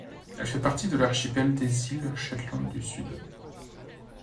Elle fait partie de l’archipel des îles Shetland du Sud.